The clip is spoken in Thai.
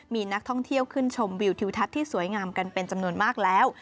มีนักท่องเที่ยวขึ้นชมวิวทิวทัศน์ที่สวยงามกันเป็นจำนวนมากแล้ว